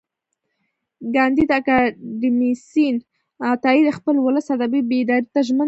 کانديد اکاډميسن عطایي د خپل ولس ادبي بیداري ته ژمن و.